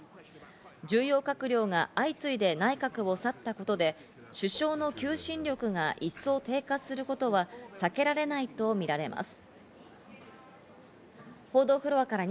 重要閣僚が相次いで内閣を去ったことで首相の求心力が一層低下す松並さん、よろしくお願いします。